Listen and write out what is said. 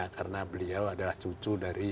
karena beliau adalah cucu dari